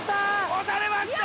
押されました！